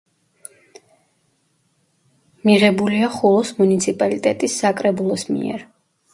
მიღებულია ხულოს მუნიციპალიტეტის საკრებულოს მიერ.